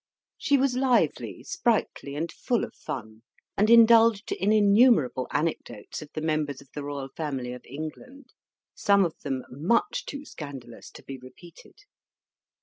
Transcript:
She was lively, sprightly, and full of fun, and indulged in innumerable anecdotes of the members of the royal family of England some of them much too scandalous to be repeated.